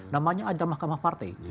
namanya ada mahkamah partai